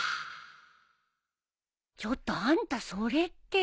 ちょっとあんたそれって。